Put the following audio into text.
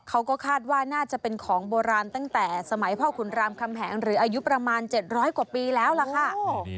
เขาก็คาดว่าน่าจะเป็นของโบราณตั้งแต่สมัยพ่อขุนรามคำแหงหรืออายุประมาณ๗๐๐กว่าปีแล้วล่ะค่ะ